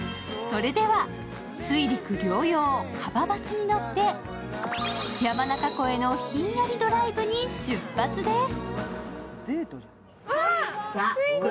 それでは水陸両用ＫＡＢＡバスに乗って山中湖へのひんやりドライブに出発です。